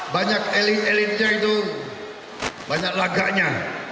banyak elit elitnya itu banyak laganya